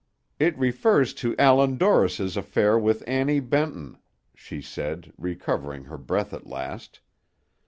"It refers to Allan Dorris's affair with Annie Benton," she said, recovering her breath at last.